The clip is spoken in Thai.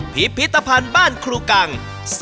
พิพิธภัณฑ์บ้านครูกัง